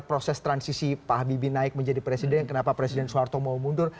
proses transisi pak habibie naik menjadi presiden kenapa presiden soeharto mau mundur